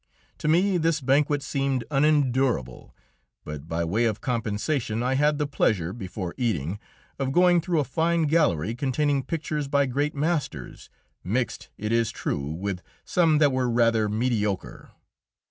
To me this banquet seemed unendurable, but by way of compensation I had the pleasure, before eating, of going through a fine gallery containing pictures by great masters, mixed, it is true, with some that were rather mediocre.